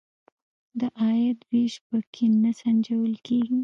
د عاید وېش په کې نه سنجول کیږي.